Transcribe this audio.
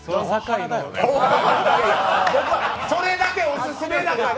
いや、僕はそれだけオススメだから！